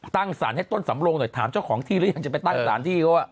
สารให้ต้นสำรงหน่อยถามเจ้าของที่หรือยังจะไปตั้งสารที่เขาว่า